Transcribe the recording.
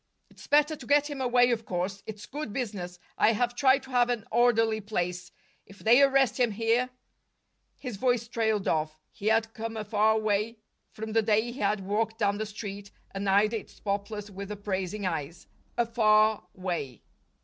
"It's better to get him away, of course. It's good business. I have tried to have an orderly place. If they arrest him here " His voice trailed off. He had come a far way from the day he had walked down the Street, and eyed its poplars with appraising eyes a far way.